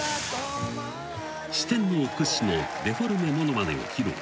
［四天王屈指のデフォルメものまねを披露］